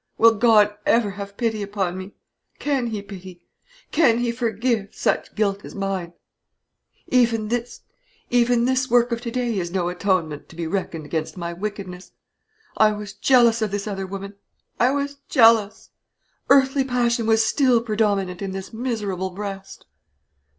will God ever have pity upon me? Can He pity, can He forgive, such guilt as mine? Even this work of to day is no atonement to be reckoned against my wickedness. I was jealous of this other woman; I was jealous! Earthly passion was still predominant in this miserable breast."